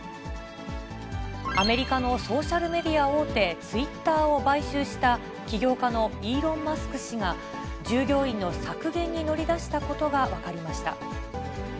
アメリカのソーシャルメディア大手、ツイッターを買収した、起業家のイーロン・マスク氏が、従業員の削減に乗り出したことが分かりました。